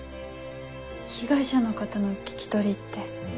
被害者の方の聞き取りって。